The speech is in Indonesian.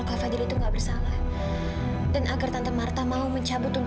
kamu nggak mau kan